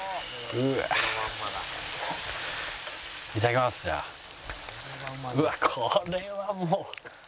うわっこれはもう。